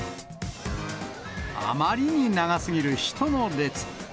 あまりに長すぎる人の列。